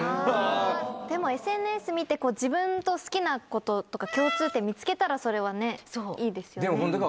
でもＳＮＳ見て自分と好きなこととか共通点見つけたらそれはいいですよね。